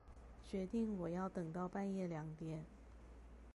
決定我要等到半夜兩點